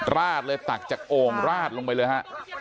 ราดเลยตักจากโอ่งราดลงไปเลยฮะ